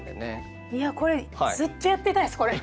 いやこれずっとやってたいですこれ！